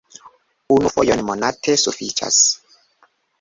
Unu fojon monate sufiĉas!